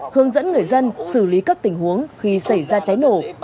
hướng dẫn người dân xử lý các tình huống khi xảy ra cháy nổ